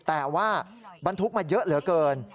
แต่ว่าบรรทุกมาเยอะเหลือเกิน